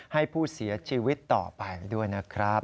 ให้ผู้เสียชีวิตต่อไปด้วยนะครับ